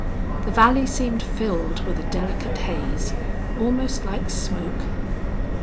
The valley seemed filled with a delicate haze, almost like smoke.